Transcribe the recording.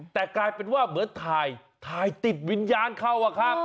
แต่กลายเป็นว่าเหมือนถ่ายถ่ายติดวิญญาณเข้าอะครับ